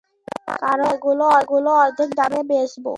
কারন আমরা এগুলো অর্ধেক দামে বেচবো।